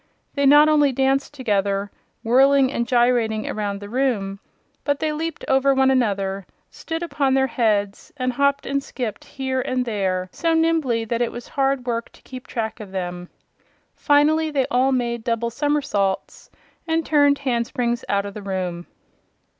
They not only danced together, whirling and gyrating around the room, but they leaped over one another, stood upon their heads and hopped and skipped here and there so nimbly that it was hard work to keep track of them. Finally, they all made double somersaults and turned handsprings out of the room.